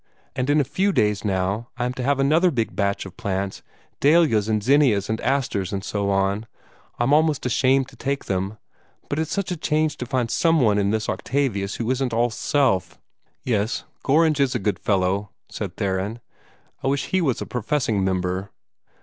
And in a few days, now, I am to have another big batch of plants dahlias and zinnias and asters and so on; I'm almost ashamed to take them. But it's such a change to find some one in this Octavius who isn't all self!" "Yes, Gorringe is a good fellow," said Theron. "I wish he was a professing member."